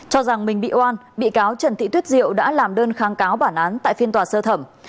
cho rằng mình bị oan bị cáo trần thị tuyết diệu đã làm đơn kháng cáo bản án tại phiên tòa sơ thẩm